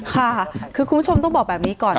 ค่ะคือคุณผู้ชมต้องบอกแบบนี้ก่อน